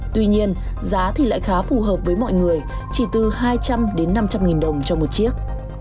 tuy nhiên giá thì lại khá phù hợp với mọi người chỉ từ hai trăm linh đến năm trăm linh nghìn đồng cho một chiếc